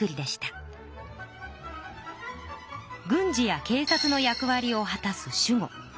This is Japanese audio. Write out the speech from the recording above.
軍事やけい察の役わりを果たす守護。